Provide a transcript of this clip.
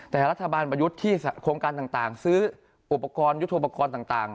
แต่รัฐบาลประยุทธ์ที่โครงการต่างซื้ออุปกรณ์ยุทธโปรกรณ์ต่าง